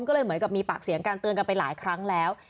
ก็เลยเหมือนกับมีปากเสียงการเตือนกันไปหลายครั้งแล้ว